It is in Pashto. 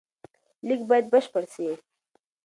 لیک باید بشپړ سي.